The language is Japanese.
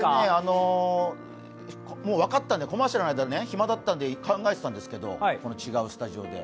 もう分かったんで、コマーシャルのま、ひまだったんで考えてたんですけど、違うスタジオで。